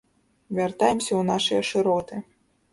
Вяртаемся ў нашыя шыроты.